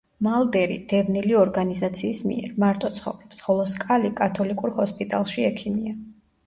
მალდერი, დევნილი ორგანიზაციის მიერ, მარტო ცხოვრობს, ხოლო სკალი კათოლიკურ ჰოსპიტალში ექიმია.